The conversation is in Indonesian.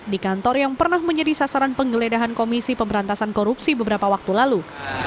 di kantor yang pernah menjadi sasaran penggeledahan komisi pemberantasan korupsi beberapa waktu lalu